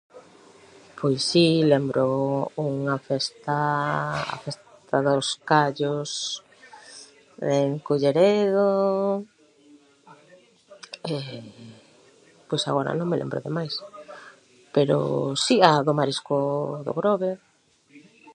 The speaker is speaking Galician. [ruído] Pois si, lembro unha festa, a Festa dos Callos en Culleredo pois agora non me lembro de máis, pero si, a a do marisco do Grove [ruído].